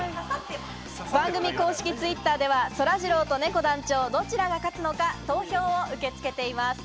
番組公式Ｔｗｉｔｔｅｒではそらジローとねこ団長、どちらが勝つのか投票を受け付けています。